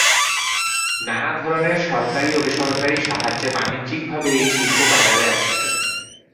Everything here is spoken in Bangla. নানা ধরনের সরকারি ও বেসরকারি সাহায্যে বাণিজ্যিক ভাবে এই শিল্প বাজারে আসছে।